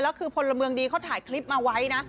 แล้วคือพลเมืองดีเขาถ่ายคลิปมาไว้นะ